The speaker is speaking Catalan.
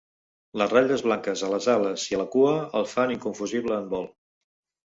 Les ratlles blanques a les ales i a la cua el fan inconfusible en vol.